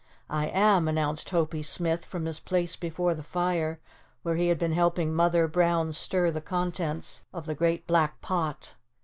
] "I am," announced Hopie Smith from his place before the fire where he had been helping Mother Brown stir the contents of the great black pot.